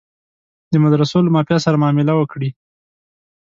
د مدرسو له مافیا سره معامله وکړي.